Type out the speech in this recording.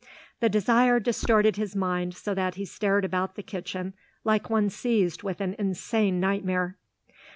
The desire distorted his mind so that he stared about the kitchen like one seized with an insane nightmare.